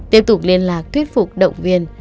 tiếp tục liên lạc thuyết phục động viên